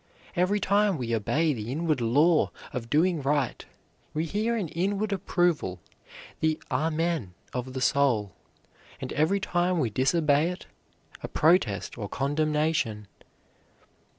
Every time we obey the inward law of doing right we hear an inward approval, the amen of the soul, and every time we disobey it, a protest or condemnation.